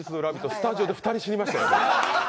スタジオで２人死にましたよ。